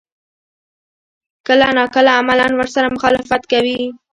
کله نا کله عملاً ورسره مخالفت کوي.